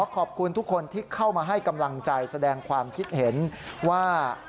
ขอบคุณทุกคนที่เข้ามาให้กำลังใจแสดงความคิดเห็นว่า